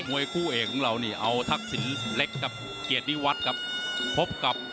มวยคู่เอกของเรานี่เอาทักษินเล็กกับเกียรติวัฒน์ครับ